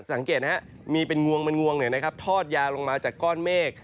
สังเกตมีเป็นงวงเป็นงวงทอดยาวลงมาจากก้อนเมฆ